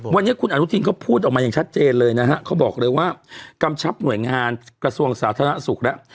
วันนี้คุณอนุทินเขาพูดออกมาอย่างชัดเจนเลยนะฮะเขาบอกเลยว่ากำชับหน่วยงานกระทรวงสาธารณสุขแล้ว